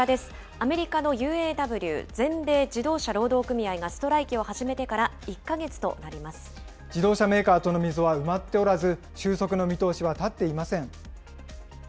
アメリカのＵＡＷ・全米自動車労働組合がストライキを始めてから自動車メーカーとの溝は埋まっておらず、収束の見通しは立っていません。